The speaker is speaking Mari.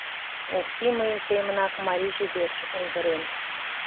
«Окси мыйын семынак марийже верч ойгырен.